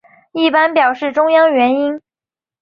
一般表示中央元音。